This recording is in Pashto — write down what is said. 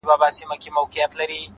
هره ناکامي پټ درس لري؛